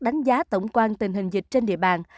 đánh giá tổng quan tình hình dịch trên địa bàn